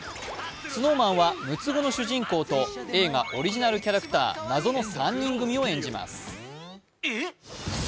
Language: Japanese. ＳｎｏｗＭａｎは６つ子の主人公と映画オリジナルキャラクター、謎の３人組を演じます。